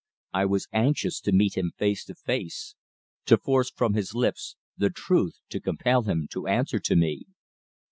I was anxious to meet him face to face to force from his lips the truth, to compel him to answer to me.